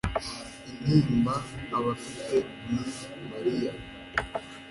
intimba abayifite, ni mariya